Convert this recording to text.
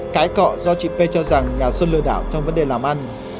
cái cọ do chị p cho rằng nhà xuân lừa đảo trong vấn đề làm ăn